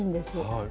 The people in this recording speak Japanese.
はい。